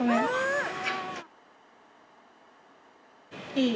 ・いい？